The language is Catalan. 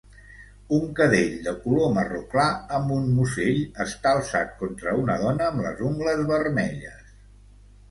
Un cadell de color marró clar amb un musell està alçat contra una dona amb les ungles vermelles.